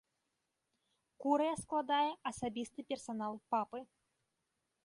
Курыя складае асабісты персанал папы.